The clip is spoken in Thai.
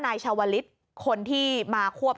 ชาวลิศคนที่มาควบ